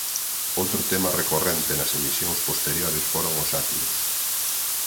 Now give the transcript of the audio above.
Outro tema recorrente nas emisións posteriores foron os sátiros.